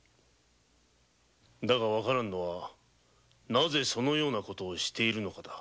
分からぬのはなぜそのような事をしているのかだ。